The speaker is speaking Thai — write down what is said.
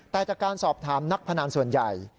แต่จากการสอบถามนักพนันส่วนใหญ่